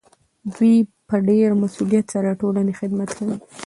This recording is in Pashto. دوی په ډیر مسؤلیت سره د ټولنې خدمت کوي.